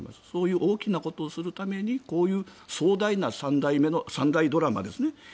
そういう大きなことをするためにこういう壮大な３代ドラマですね。